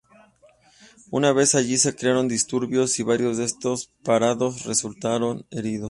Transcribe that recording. Una vez allí se crearon disturbios y varios de estos parados resultaron heridos.